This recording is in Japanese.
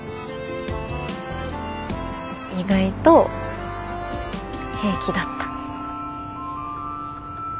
意外と平気だった。